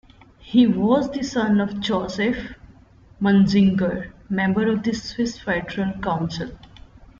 He was the son of Josef Munzinger, member of the Swiss Federal Council.